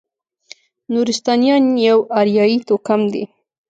نورستانیان یو اریایي توکم دی.